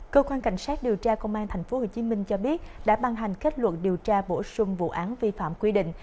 cơ quan cảnh sát điều tra công an thành phố hồ chí minh cho biết đã ban hành kết luật điều tra bổ sung vụ án vi phạm quy định